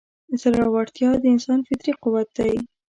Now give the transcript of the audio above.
زړهورتیا د انسان فطري قوت دی.